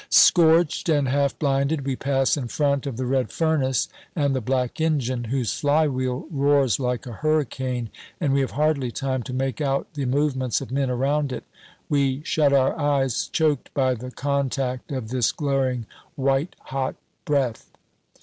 Scorched and half blinded, we pass in front of the red furnace and the black engine, whose flywheel roars like a hurricane, and we have hardly time to make out the movements of men around it. We shut our eyes, choked by the contact of this glaring white hot breath.